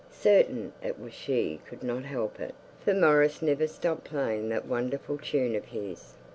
Certain it was she could not help it, for Maurice never stopped playing that wonderful tune of his.